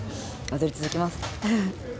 踊り続けます。